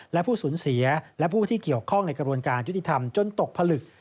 และผู้สูญเสียและผู้ที่เกี่ยวข้องในกระบวนการยุติธรรมจนตกผลึก